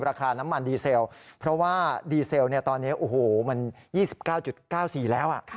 ราคาน้ำมันดีเซลเพราะว่าดีเซลตอนนี้โอ้โหมัน๒๙๙๔แล้ว